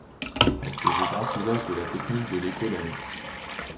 Elle faisait grand usage de la technique de l'écholalie.